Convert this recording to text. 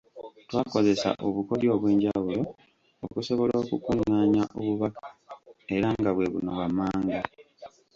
Twakozesa obukodyo obw'enjawulo okusobola okukungaanya obubaka era nga bwe buno wammanga.